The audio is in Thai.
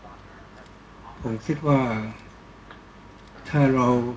ก็ต้องทำอย่างที่บอกว่าช่องคุณวิชากำลังทำอยู่นั่นนะครับ